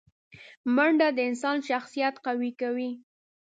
منډه د انسان شخصیت قوي کوي